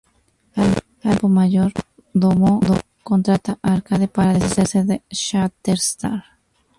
Al mismo tiempo, Mayor Domo contrata a Arcade para deshacerse de Shatterstar.